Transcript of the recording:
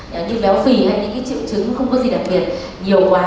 như béo phì hay những triệu chứng không có gì đặc biệt nhiều quá